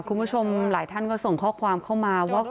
คุณผู้ชมหลายท่านก็ส่งข้อความเข้ามาว่า